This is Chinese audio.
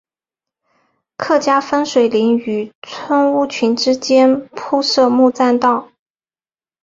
客家风水林与村屋群之间铺设木栈道。